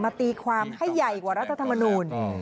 ตีความให้ใหญ่กว่ารัฐธรรมนูล